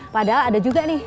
padahal ada juga nih